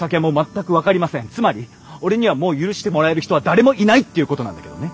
つまり俺にはもう許してもらえる人は誰もいないっていうことなんだけどね。